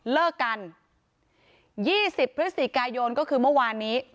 เลิกกัน๒๐พฤศจิกายนก็คือเมื่อวานนี้